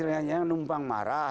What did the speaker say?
banyak yang numpang marah